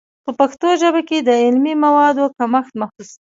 په پښتو ژبه کې د علمي موادو کمښت محسوس دی.